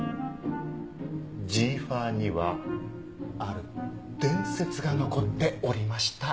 ジーファーにはある伝説が残っておりました。